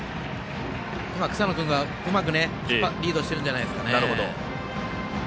今、草野君がリードしているんじゃないですかね。